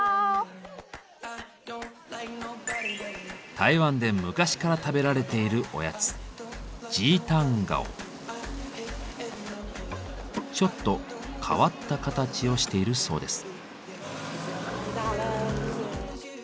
台湾で昔から食べられているおやつちょっと変わった形をしているそうです。